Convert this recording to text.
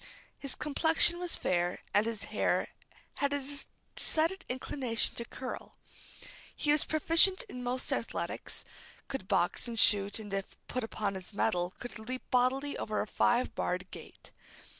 His complexion was fair and his hair had a decided inclination to curl. He was proficient in most athletics; could box and shoot, and if put upon his mettle, could leap bodily over a five barred gate.